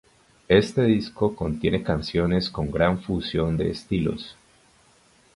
Este disco contiene canciones con gran fusión de estilos.